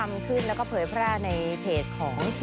ว่าเธอการที่ยังร้องควร